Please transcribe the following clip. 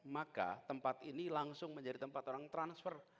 maka tempat ini langsung menjadi tempat orang transfer